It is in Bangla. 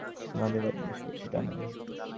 তোমাদের বা জিজ্ঞাসা করছি কেনো?